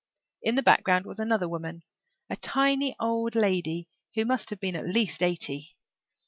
In the background was another woman a tiny old lady who must have been at least eighty.